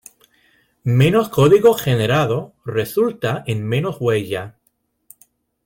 Menos código generado resulta en menos huella.